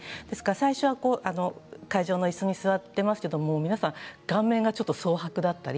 最初は会場のいすに座っていますけれど皆さん顔面そう白だったり